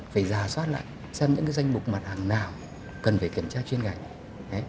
phải giả soát lại xem những danh mục mặt hàng nào cần phải kiểm tra chuyên ngành